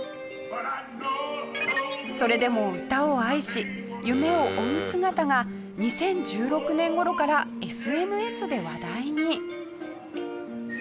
それでも歌を愛し夢を追う姿が２０１６年頃からＳＮＳで話題に。